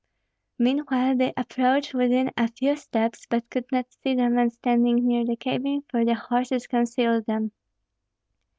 Meanwhile they approached within a few steps, but could not see the men standing near the cabin, for the horses concealed them.